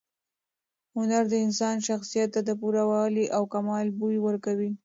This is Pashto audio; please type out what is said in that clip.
هنر د انسان شخصیت ته د پوره والي او کمال بوی ورکوي.